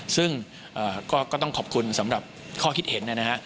ซึ่งก็ต้องขอบคุณสำหรับข้อคิดเห็นนะฮะ